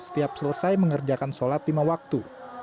setiap selesai mengerjakan sholat lima waktu